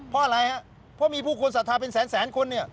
เพราะอะไรครับเพราะมีผู้คนศรัทธาเป็นแสนคน